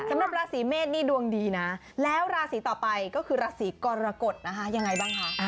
สำหรับราศีเมษนี่ดวงดีนะแล้วราศีต่อไปก็คือราศีกรกฎนะคะยังไงบ้างคะ